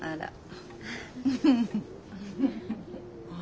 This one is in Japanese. あら。